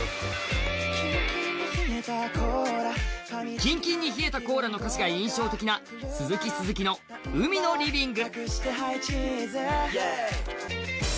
「キンキンに冷えたコーラ」の歌詞が印象的な鈴木鈴木の「海のリビング」。